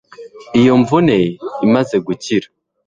iyo mvune imaze gukira